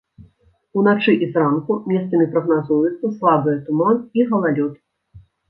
Уначы і зранку месцамі прагназуюцца слабыя туман і галалёд.